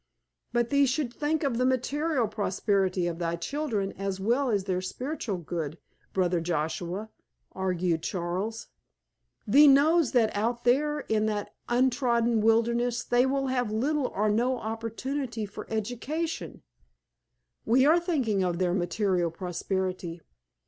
"But thee should think of the material prosperity of thy children as well as their spiritual good, brother Joshua," argued Charles. "Thee knows that out there in that untrodden wilderness they will have little or no opportunity for education——" "We are thinking of their material prosperity.